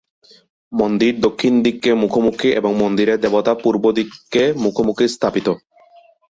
মন্দির দক্ষিণ দিকে মুখোমুখি এবং মন্দিরের দেবতা পূর্ব দিকে মুখোমুখি স্থাপিত।